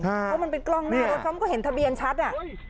เพราะมันเป็นกล้องหน้ารถเพราะมันก็เห็นทะเบียนชัดอ่ะ